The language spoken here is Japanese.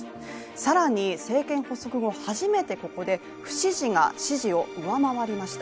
更に、政権発足後初めてここで不支持が支持を上回りました。